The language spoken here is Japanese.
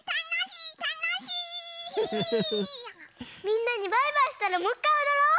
みんなにバイバイしたらもういっかいおどろう！